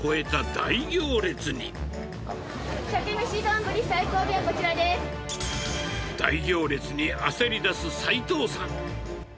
大行列に焦りだす斎藤さん。